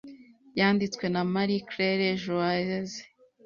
yanditswe na marie claire joyeuse